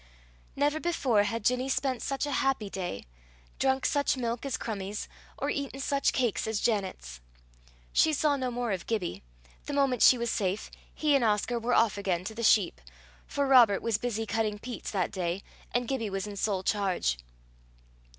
Never before had Ginny spent such a happy day, drunk such milk as Crummie's, or eaten such cakes as Janet's. She saw no more of Gibbie: the moment she was safe, he and Oscar were off again to the sheep, for Robert was busy cutting peats that day, and Gibbie was in sole charge.